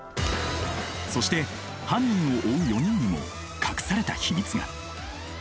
そして犯人を追う４人にも隠された秘密が。